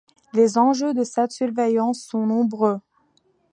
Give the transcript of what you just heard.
Les enjeux de cette surveillance sont nombreux.